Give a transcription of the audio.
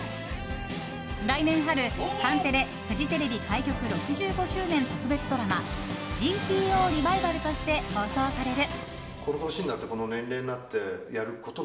来年春、カンテレ・フジテレビ開局６５周年特別ドラマ「ＧＴＯリバイバル」として放送される。